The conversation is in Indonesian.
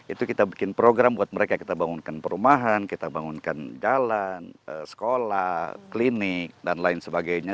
itu kita bikin program buat mereka kita bangunkan perumahan kita bangunkan jalan sekolah klinik dan lain sebagainya